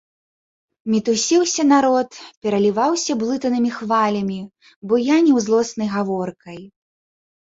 Мітусіўся народ, пераліваўся блытанымі хвалямі, буяніў злоснай гаворкай.